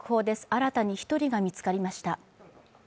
新たに１人が見つかりました。